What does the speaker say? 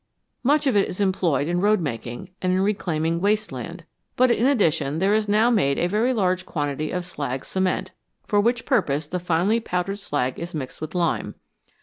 Much of it is employed in road making and in reclaiming waste land, but in addition there is now made a very large quantity of slag cement, for which purpose the finely powdered slag is mixed with lime.